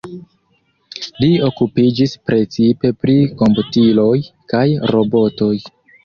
Li okupiĝis precipe pri komputiloj kaj robotoj.